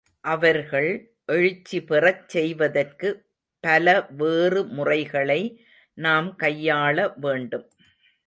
அவர்கள் எழுச்சிபெறச் செய்வதற்கு பலவேறு முறைகளை நாம் கையாள வேண்டும்.